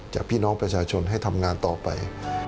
จากพี่น้องประชาชนให้ทำงานต่อไป